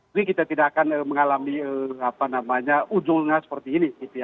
jadi kita tidak akan mengalami apa namanya ujungnya seperti ini